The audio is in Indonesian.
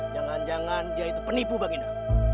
jangan jangan dia itu penipu baginya